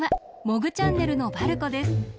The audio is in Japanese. モグチャンネルのばるこです。